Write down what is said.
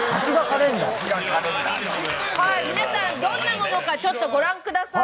皆さんどんなものかちょっとご覧ください。